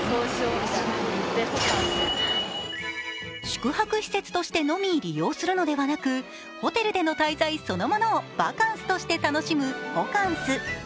宿泊施設としてのみ利用するのではなく、ホテルでの滞在そのものをバカンスとして楽しむホカンス。